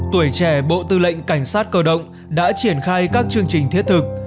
tuổi trẻ bộ tư lệnh cảnh sát cơ động đã triển khai các chương trình thiết thực